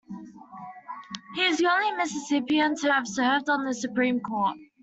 He is the only Mississippian to have served on the Supreme Court.